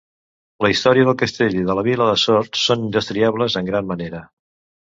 La història del castell i de la vila de Sort són indestriables en gran manera.